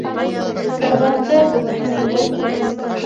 کروندګر د وطن عزت دی